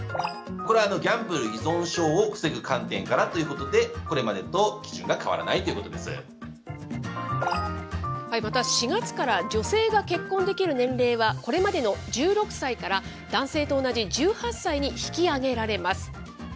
これはギャンブル依存症を防ぐ観点からということで、これまでとまた、４月から女性が結婚できる年齢はこれまでの１６歳から、男性と同じ１８歳に引き上げられます。